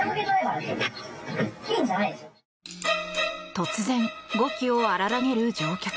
突然、語気を荒げる乗客。